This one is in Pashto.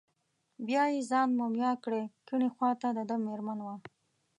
بیا یې ځان مومیا کړی، کیڼې خواته دده مېرمن وه.